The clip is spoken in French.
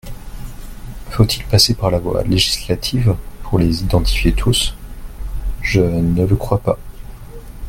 Faut-il passer par la voie législative pour les identifier tous ? Je ne le crois pas.